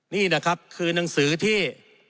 นี่นะครับคือหนังสือที่